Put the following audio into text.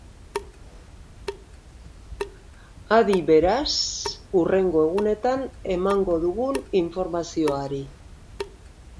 Adi, beraz, hurrengo egunetan emango dugun informazioari.